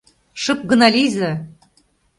Шып гына лийза!